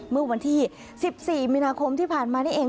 เมื่อวันที่๑๔มีนาคมที่ผ่านมานี่เอง